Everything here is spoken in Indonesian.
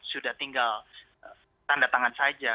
sudah tinggal tanda tangan saja